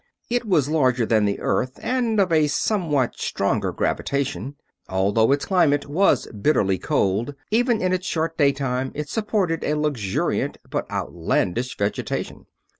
It was larger than the Earth, and of a somewhat stronger gravitation. Although its climate was bitterly cold, even in its short daytime, it supported a luxuriant but outlandish vegetation.